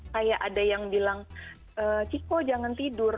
kayak ada yang bilang ciko jangan tidur